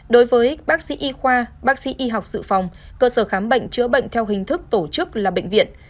đối với bác sĩ y khoa bác sĩ y học dự phòng cơ sở khám bệnh chữa bệnh theo hình thức tổ chức là bệnh viện